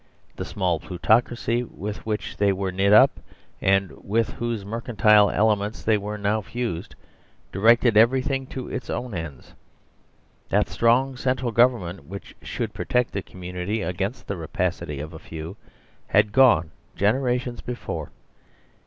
The small plutocracy with which they were knit up, and with whose mercantile elements they were now fused, directed everything to its own ends. That strong central government which should protect the community againstthe rapacity of a few had gone gen erations before.